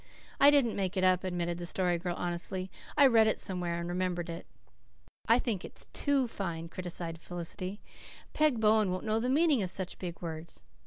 "I didn't make that up," admitted the Story Girl honestly. "I read it somewhere and remembered it." "I think it's TOO fine," criticized Felicity. "Peg Bowen won't know the meaning of such big words."